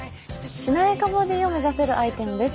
しなやかボディーを目指せるアイテムです。